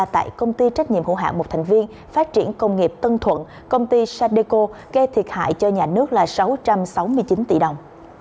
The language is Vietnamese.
tại công ty trách nhiệm hữu hạng một thành viên phát triển công nghiệp tân thuận công ty sadeco gây thiệt hại cho nhà nước là sáu trăm sáu mươi chín tỷ đồng